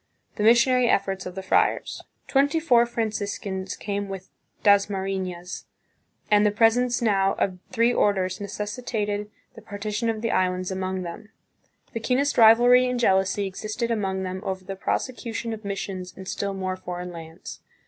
The Missionary Efforts of the Friars. Twenty four A Moro Shield. 150 THE PHILIPPINES. Franciscans came with Dasmarifias and the presence now of three orders necessitated the partition of the Islands among them. The keenest rivalry and jealousy existed among them over the prosecution of missions in still more foreign lands.